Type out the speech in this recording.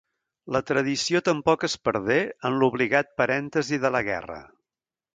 La tradició tampoc es perdé en l'obligat parèntesi de la guerra.